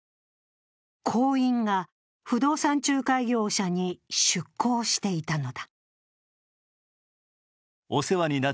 行員が不動産仲介業者に出向していたのだ。